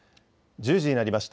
１０時になりました。